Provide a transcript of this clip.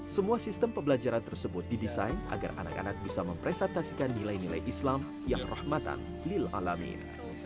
semua sistem pembelajaran tersebut didesain agar anak anak bisa mempresentasikan nilai nilai islam yang rahmatan lil alamin